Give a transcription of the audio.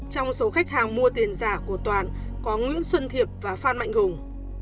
trong số khách hàng mua tiền giả của toàn có nguyễn xuân thiệp và phan mạnh hùng